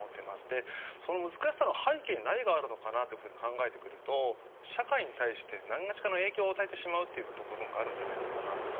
でその難しさの背景に何があるのかなというふうに考えてくると社会に対してなにがしかの影響を与えてしまうっていう部分があるんじゃないのかなと。